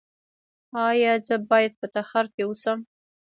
ایا زه باید په تخار کې اوسم؟